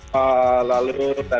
lalu tadi ada